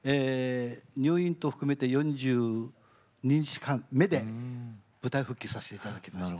入院含めて４２日間目で舞台復帰させていただきました。